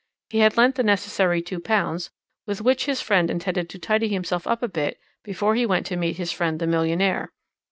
He had lent the necessary £2, with which his friend intended to tidy himself up a bit before he went to meet his friend the millionaire.